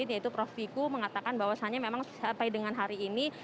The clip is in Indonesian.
yaitu prof viku mengatakan bahwasannya memang sampai dengan hari ini